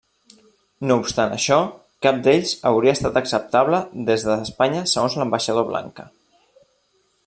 No obstant això, cap d'ells hauria estat acceptable des d'Espanya segons l'ambaixador Blanca.